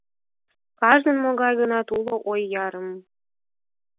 Кажнын могай-гынат уло ой ярым.